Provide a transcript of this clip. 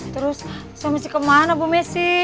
terus saya mesti kemana bu messi